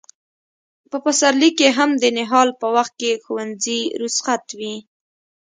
په پسرلي کې هم د نهال په وخت کې ښوونځي رخصت وي.